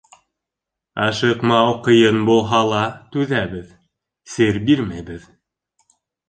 Ашыҡмау ҡыйын булһа ла, түҙәбеҙ, сер бирмәйбеҙ.